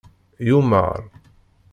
Yumar.